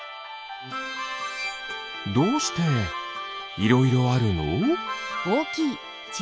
どうしていろいろあるの？